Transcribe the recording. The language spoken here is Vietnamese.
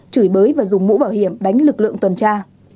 chửi bới và dùng mũ bảo hiểm đánh lực lượng tuần tra